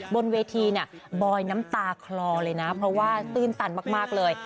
บนเวทีเนี่ยบอยน้ำตาคลอเลยนะเพราะว่าตื้นตันมากเลย